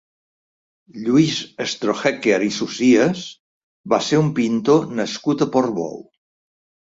Lluís Strohecker i Socias va ser un pintor nascut a Portbou.